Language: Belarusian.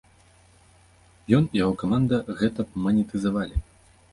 Ён і яго каманда гэта б манетызавалі.